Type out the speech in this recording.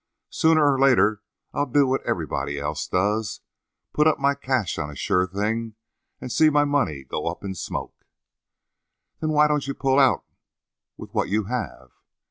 Sooner or later I'll do what everybody else does put up my cash on a sure thing and see my money go up in smoke." "Then why don't you pull out with what you have?"